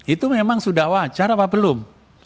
itu memang sudah wajar apa belum